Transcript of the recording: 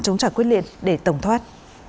chống trả quyết liện để tổng thoát